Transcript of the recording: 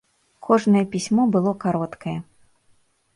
Кожнае пісьмо было кароткае.